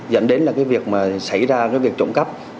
dẫn đến là cái việc mà xảy ra cái việc trộm cắp